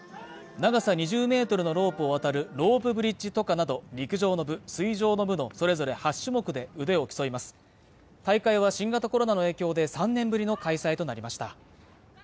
長さ２０Ｍのロープを渡るロープブリッジ渡過など陸上の部水上の部のそれぞれ８種目で腕を競います大会は新型コロナの影響で３年ぶりの開催となりました